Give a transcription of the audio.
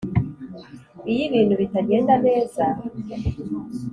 iyo ibintu bitagenda neza,